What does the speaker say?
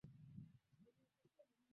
wasi wekeze tu wao wazitegemee tu